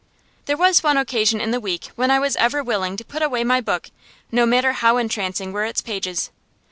There was one occasion in the week when I was ever willing to put away my book, no matter how entrancing were its pages.